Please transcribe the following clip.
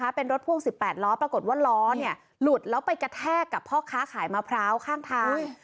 เป็นรถพ่วง๑๘ล้อปรากฏว่าล้อหลุดแล้วไปกระแทกกับพ่อค้าขายมะพร้าวข้างทาง